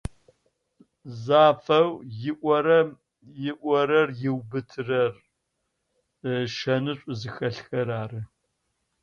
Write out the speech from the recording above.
Зафэу иӏорэм- иӏорэр иубытэрэр шэны шӏу зыхэлъхэр ары.